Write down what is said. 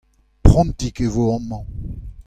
Prontik e vo amañ.